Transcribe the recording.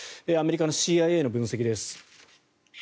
アメリカのＣＩＡの分析です。